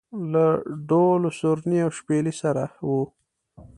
له ډول و سورني او شپېلۍ سره و.